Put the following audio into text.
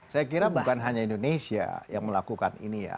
saya kira bukan hanya indonesia yang melakukan ini ya